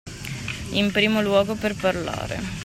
In primo luogo per parlare.